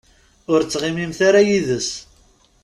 Ur ttɣimimt ara yid-s.